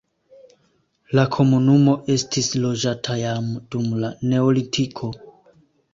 La komunumo estis loĝata jam dum la neolitiko.